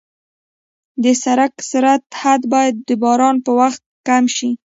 د سړک سرعت حد باید د باران په وخت کم شي.